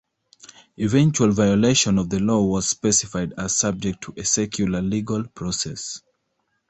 Eventual violation of the law was specified as subject to a secular legal process.